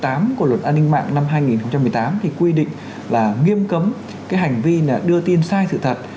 của luật an ninh mạng năm hai nghìn một mươi tám thì quy định là nghiêm cấm cái hành vi đưa tin sai sự thật